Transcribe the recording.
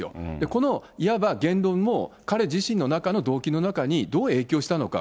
このいわば言論も、彼自身の中の動機の中にどう影響したのか。